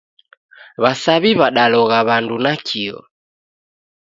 W'asaw'i w'adalogha w'andu nakio